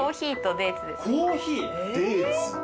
デーツ？